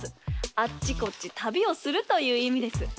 あっちこっち旅をするといういみです。